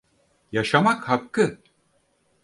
Yaşamak hakkı!